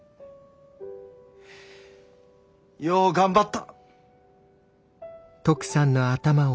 よう頑張った。